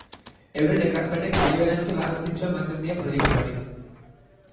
Euren ekarpenek balio erantsi garrantzitsua ematen die proiektuari.